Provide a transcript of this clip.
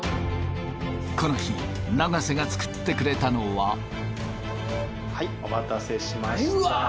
この日長瀬が作ってくれたのははいお待たせしましたうわー